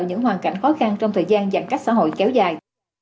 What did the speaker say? những hoàn cảnh khó khăn trong thời gian giãn cách xã hội kéo dài